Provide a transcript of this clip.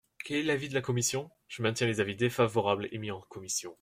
Quel est l’avis de la commission ? Je maintiens les avis défavorables émis en commission.